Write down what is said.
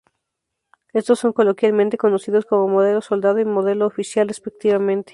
Estos son coloquialmente conocidos como "modelo Soldado" y "modelo Oficial", respectivamente.